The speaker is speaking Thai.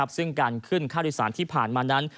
ซึ่งการขึ้นค่าโดยสารที่ผ่านมานั้น